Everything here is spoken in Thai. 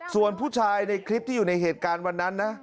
ส่วนผู้ชายในคลิปที่อยู่ในเหตุการณ์วันนั้นนะ